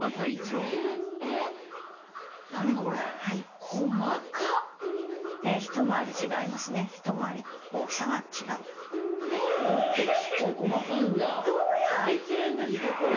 どうやって切るんですかこれ？